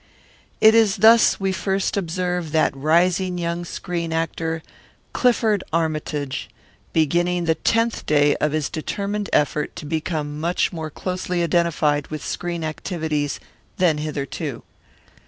It is thus we first observe that rising young screen actor, Clifford Armytage, beginning the tenth day of his determined effort to become much more closely identified with screen activities than hitherto.